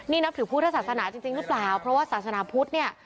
นี่นับถือพุทธศาสนาจริงหรือเปล่าเพราะว่าศาสนาพุทธเนี่ย